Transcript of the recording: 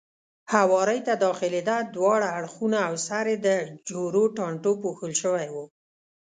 هوارۍ ته داخلېده، دواړه اړخونه او سر یې د جورو ټانټو پوښل شوی و.